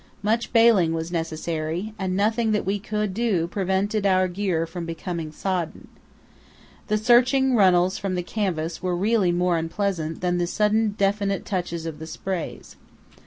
Much baling was necessary, and nothing that we could do prevented our gear from becoming sodden. The searching runnels from the canvas were really more unpleasant than the sudden definite douches of the sprays.